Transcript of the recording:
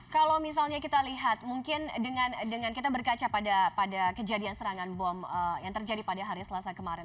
kalau misalnya kita lihat mungkin dengan kita berkaca pada kejadian serangan bom yang terjadi pada hari selasa kemarin